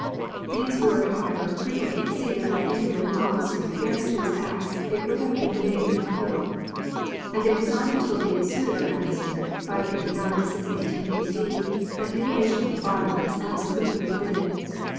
These were, however, frequently exceeded by independent officers against whose acts it would have been vain to appeal, and it was not until the Sui dynasty (589 — 618 a.d.) that mutilation of the body was absolutely forbidden.